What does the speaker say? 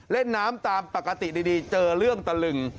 เล่นน้ำตามปกติดีเจอเรื่องตะลึง